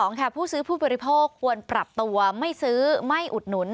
ค่ะผู้ซื้อผู้บริโภคควรปรับตัวไม่ซื้อไม่อุดหนุน